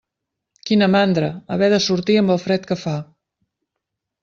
Quina mandra, haver de sortir amb el fred que fa.